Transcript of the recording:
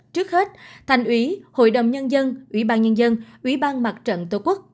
trước hết thành ủy hội đồng nhân dân ủy ban nhân dân ủy ban mặt trận tổ quốc